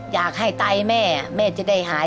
อยากให้ไตแม่แม่จะได้หาย